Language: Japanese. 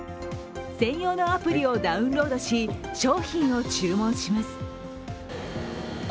専用のアプリをダウンロードし、商品を注文します。